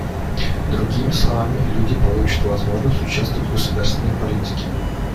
Другими словами, люди получат возможность участвовать в государственной политике.